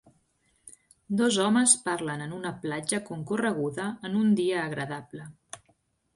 Dos homes parlen en una platja concorreguda en un dia agradable.